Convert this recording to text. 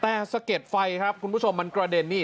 แต่สะเก็ดไฟครับคุณผู้ชมมันกระเด็นนี่